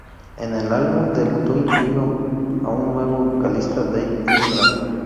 En el álbum debut se incluyó a un nuevo vocalista, Dave Ingram.